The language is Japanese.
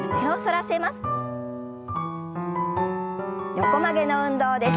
横曲げの運動です。